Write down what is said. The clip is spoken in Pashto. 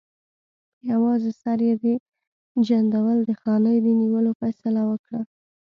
په یوازې سر یې د جندول د خانۍ د نیولو فیصله وکړه.